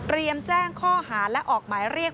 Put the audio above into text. แจ้งข้อหาและออกหมายเรียก